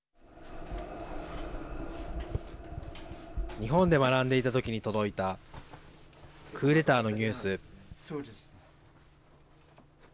日本で学んでいた時に届いたクーデターのニュース。